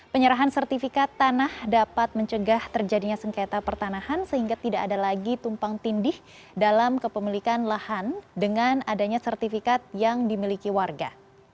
penyerahan sertifikat tanah dapat mencegah terjadinya sengketa pertanahan sehingga tidak ada lagi tumpang tindih dalam kepemilikan lahan dengan adanya sertifikat yang dimiliki warga